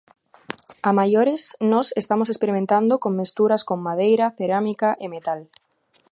A maiores, nós estamos experimentando con mesturas con madeira, cerámica e metal.